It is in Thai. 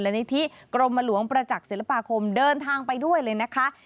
และนิธิกรมหลวงประจักษ์ศิลปาคมเดินทางไปด้วยเลยนะคะ